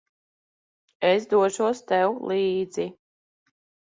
Es došos tev līdzi.